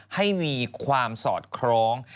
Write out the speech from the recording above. ให้มีความสอดคล้อง